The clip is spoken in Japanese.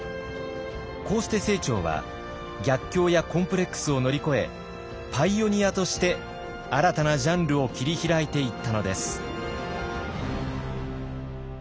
こうして清張は逆境やコンプレックスを乗り越えパイオニアとして新たなジャンルを切り開いていったのです。